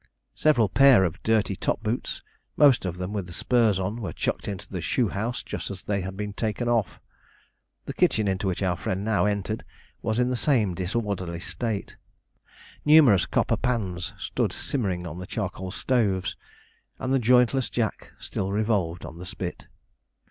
Several pair of dirty top boots, most of them with the spurs on, were chucked into the shoe house just as they had been taken off. The kitchen, into which our friend now entered, was in the same disorderly state. Numerous copper pans stood simmering on the charcoal stoves, and the jointless jack still revolved on the spit.